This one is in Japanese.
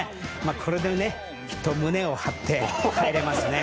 これできっと胸を張って帰れますね。